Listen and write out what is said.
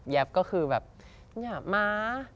แย็บก็คือแบบนี่อะมา